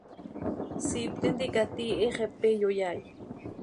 Siip tintica tiihi, xepe iyoyaai.